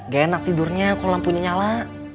gak enak tidurnya kalau lampunya nyala